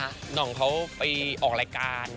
หน่องเขาไปออกรายการ